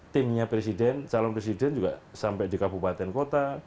timnya presiden calon presiden juga sampai di kabupaten kota